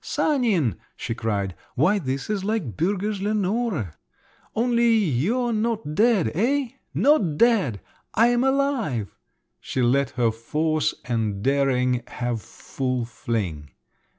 "Sanin!" she cried, "why, this is like Bürger's Lenore! Only you're not dead—eh? Not dead … I am alive!" She let her force and daring have full fling.